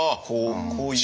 こういう。